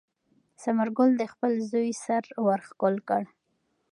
ثمر ګل د خپل زوی سر ور ښکل کړ.